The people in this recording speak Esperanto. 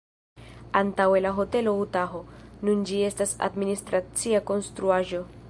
Antaŭe la Hotelo Utaho, nun ĝi estas administracia konstruaĵo.